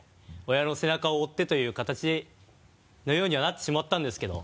親の背中を追ってというかたちのようにはなってしまったんですけど。